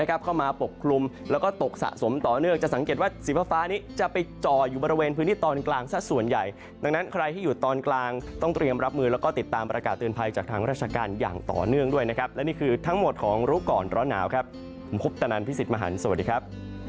ของรู้ก่อนร้อนหนาวครับผมคุบตะนันพิสิทธิ์มหันต์สวัสดีครับ